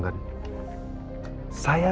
saya udah bilang kan